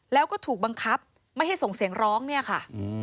แล้วก็ถูกบังคับไม่ให้ส่งเสียงร้องเนี่ยค่ะ